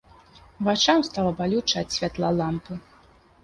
Вачам стала балюча ад святла лямпы.